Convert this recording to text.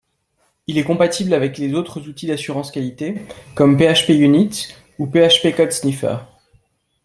Il est compatible avec les autres outils d'assurance qualité comme PHPUnit ou PHP CodeSniffer